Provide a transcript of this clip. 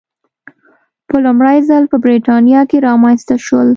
په لومړي ځل په برېټانیا کې رامنځته شول.